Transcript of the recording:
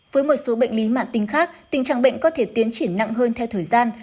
với một số bệnh lý mạng tính khác tình trạng bệnh có thể tiến triển nặng hơn theo thời gian